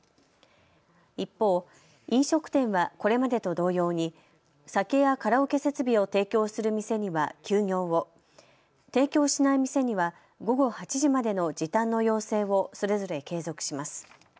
一方、飲食店はこれまでと同様に酒やカラオケ設備を提供する店には休業を、提供しない店には午後８時までの時短の要請をそれぞれ継続します。